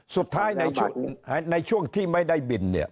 สุดท้ายในช่วงที่ไม่ได้บิน